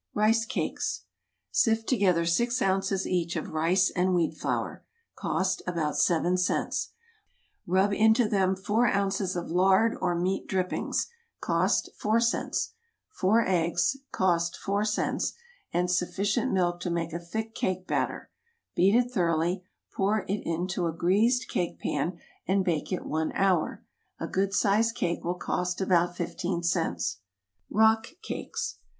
=Rice Cakes.= Sift together six ounces each of rice and wheat flour, (cost about seven cents,) rub into them four ounces of lard or meat drippings, (cost four cents,) four eggs, (cost four cents,) and sufficient milk to make a thick cake batter; beat it thoroughly, pour it into a greased cake pan, and bake it one hour. A good sized cake will cost about fifteen cents. =Rock Cakes.